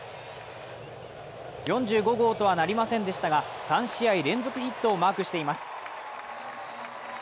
４５号とはなりませんでしたが、３試合連続ヒットをマークしています。